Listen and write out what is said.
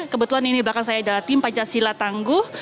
kebetulan ini di belakang saya ada tim pancasila tangguh